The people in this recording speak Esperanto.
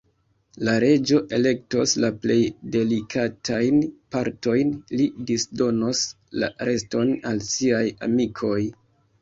La Reĝo elektos la plej delikatajn partojn; li disdonos la reston al siaj amikoj.